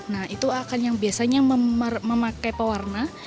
nah itu akan yang biasanya memakai pewarna